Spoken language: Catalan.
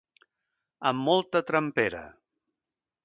Amb molta trempera.